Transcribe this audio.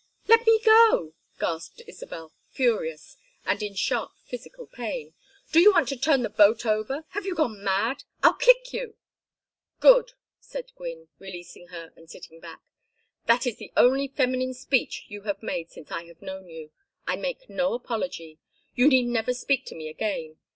"Let me go!" gasped Isabel, furious, and in sharp physical pain. "Do you want to turn the boat over? Have you gone mad? I'll kick you!" "Good!" said Gwynne, releasing her, and sitting back. "That is the only feminine speech you have made since I have known you. I make no apology. You need never speak to me again.